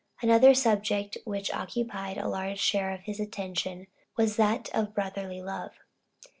Another subject, which occupied a large share of his attention, was that of brotherly love.